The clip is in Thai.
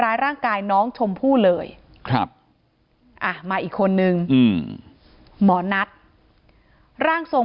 ร่างกายน้องชมพู่เลยครับมาอีกคนนึงหมอนัทร่างทรง